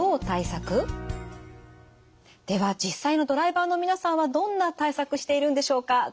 では実際のドライバーの皆さんはどんな対策しているんでしょうか。